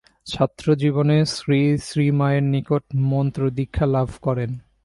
ছাত্রজীবনে শ্রীশ্রীমায়ের নিকট মন্ত্রদীক্ষা লাভ করেন।